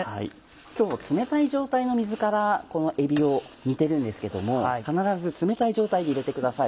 今日は冷たい状態の水からこのえびを煮てるんですけども必ず冷たい状態で入れてください。